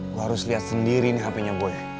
gue harus liat sendiri nih hpnya boy